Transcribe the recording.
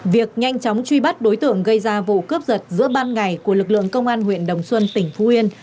việc nhanh chóng truy bắt đối tượng gây ra vụ cướp giật giữa ban ngày của lực lượng công an huyện đồng xuân tỉnh phú yên